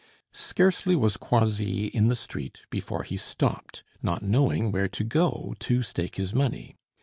Scarcely was Croisilles in the street before he stopped, not knowing where to go to stake his money.